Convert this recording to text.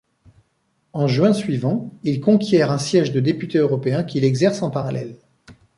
En juin suivant, il conquiert un siège de député européen, qu'il exerce en parallèle.